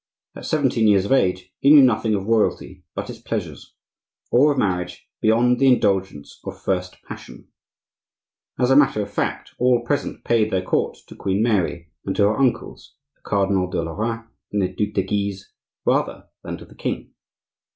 At seventeen years of age he knew nothing of royalty but its pleasures, or of marriage beyond the indulgence of first passion. As a matter of fact, all present paid their court to Queen Mary and to her uncles, the Cardinal de Lorraine and the Duc de Guise, rather than to the king.